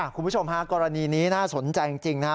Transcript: คุณผู้ชมฮะกรณีนี้น่าสนใจจริงนะฮะ